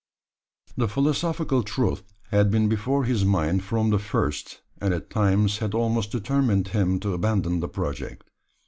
The philosophical truth had been before his mind from the first, and at times had almost determined him to abandon the project.